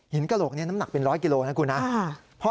หินกะโหลกนี้น้ำหนักเป็น๑๐๐กิโลกรัมนะครับ